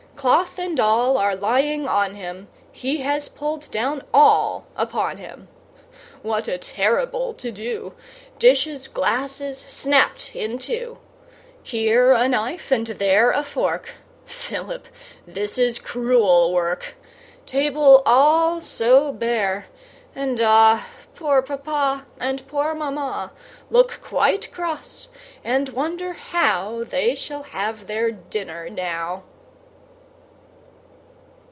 Cloth and all are lying on him; He has pulled down all upon him. What a terrible to do! Dishes, glasses, snapt in two! Here a knife, and there a fork! Philip, this is cruel work. Table all so bare, and ah! Poor Papa, and poor Mamma Look quite cross, and wonder how They shall have their dinner now.